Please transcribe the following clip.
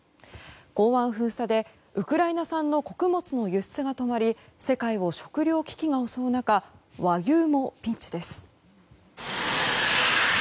港湾封鎖でウクライナ産の穀物の輸出が止まり世界を食糧危機が襲う中和牛もピンチです。